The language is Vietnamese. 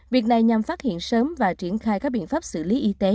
việc này nhằm phát hiện sớm và triển khai các biện pháp xử lý y tế